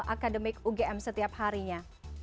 akademik ugm setiap harinya